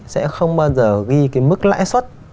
sẽ không bao giờ ghi cái mức lãi suất